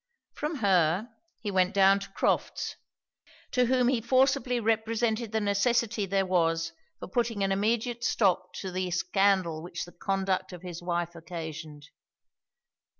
From her, he went down to Crofts; to whom he forcibly represented the necessity there was for putting an immediate stop to the scandal which the conduct of his wife occasioned.